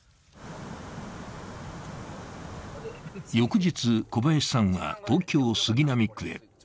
翌日、小林さんは東京・杉並区へ。